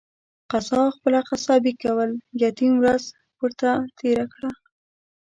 قصاب خپله قصابي کول ، يتيم ورځ ورته تيره کړه.